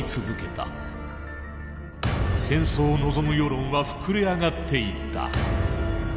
戦争を望む世論は膨れ上がっていった。